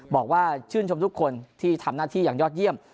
บอกว่าชื่นชมทุกคนที่ทำหน้าที่อย่างยอดเยี่ยม